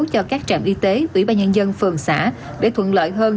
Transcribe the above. cho các trạm y tế tủy ba nhân dân phường xã để thuận lợi hơn